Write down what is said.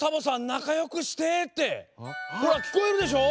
なかよくして」ってほらきこえるでしょ。